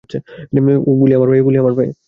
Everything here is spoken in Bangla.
গুলি আমার পায়ে!